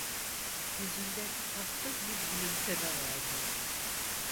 Yüzünde tatlı bir gülümseme vardı.